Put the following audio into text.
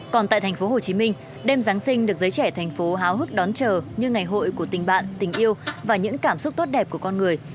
còn tại thành phố hồ chí minh đêm giáng sinh được giới trẻ thành phố háo hức đón chờ như ngày hội của tình bạn tình yêu và những cảm xúc tốt đẹp của con người